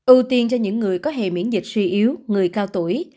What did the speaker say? ưu tiên cho những người có hề miễn dịch suy yếu người cao tuổi